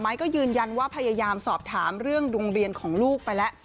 ก็ยืนยันว่าพยายามสอบถามเรื่องโรงเรียนของลูกไปแล้ว